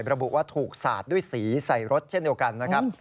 ระบุว่าถูกสาดด้วยสีใส่รถเช่นเดียวกันนะครับ